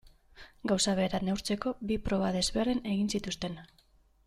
Gauza bera neurtzeko bi proba desberdin egin zituzten.